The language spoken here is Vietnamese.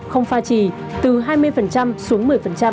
không pha trì từ hai mươi xuống một mươi